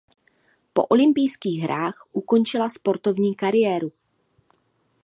Po olympijských hrách ukončila sportovní kariéru.